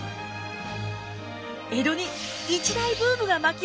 江戸に一大ブームが巻き起こりました。